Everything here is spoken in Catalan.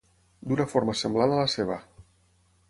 D'una forma semblant a la ceba.